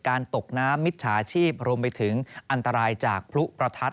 ตกน้ำมิจฉาชีพรวมไปถึงอันตรายจากพลุประทัด